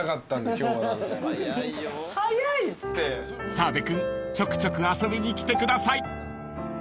［澤部君ちょくちょく遊びに来てください］